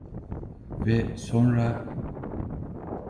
Ve sonra...